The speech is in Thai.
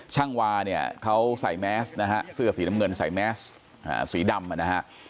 ช่างวาเขาใส่แมสซ์เสื้อสีน้ำเงินใส่แมสซ์สีดำ